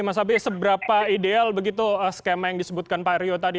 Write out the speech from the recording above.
mas habib seberapa ideal begitu skema yang disebutkan pak rio tadi